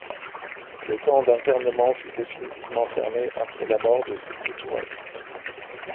Le camp d'internement fut définitivement fermé après la mort de Sékou Touré.